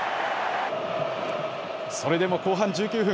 それでも後半１９分。